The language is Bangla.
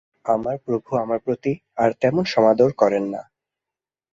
আমার প্রভু আমার প্রতি আর তেমন সমাদর করেন না।